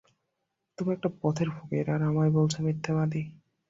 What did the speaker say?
তুমি একটা পথের ফকির, আর আমায় বলছ মিথ্যেবাদী?